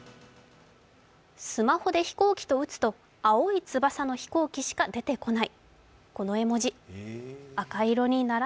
スマホで飛行機と打つと青い飛行機の文字しか出てこない。